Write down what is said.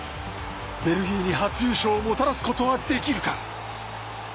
ベルギーに初優勝をもたらすことはできるか。